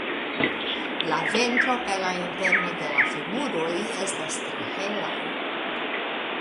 La ventro kaj la interno de la femuroj estas tre helaj.